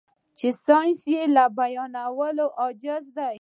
چې ساينس يې له بيانولو عاجز دی.